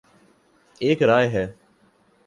ایک رائے ہے